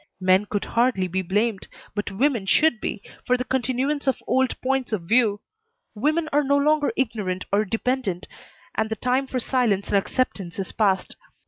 Men could hardly be blamed, but women should be, for the continuance of old points of view. Women are no longer ignorant or dependent, and the time for silence and acceptance is past.